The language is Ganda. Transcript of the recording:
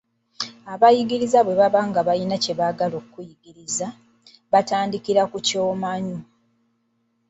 Abayigiriza bwe baba nga balina ekiggya kye baagala okukuyigiriza, batandikira ku ky'omanyi.